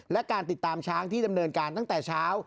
และการติดตามช้างที่ดำเนินการตั้งแต่เช้า